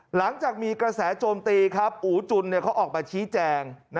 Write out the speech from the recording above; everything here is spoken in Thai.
หลังจากมีกระแสโจมตีครับอู๋จุนเขาออกมาชี้แจง